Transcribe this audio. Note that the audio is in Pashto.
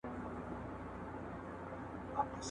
که پلار مې اجازه ورکړې وای نو زه به نن استاده وم.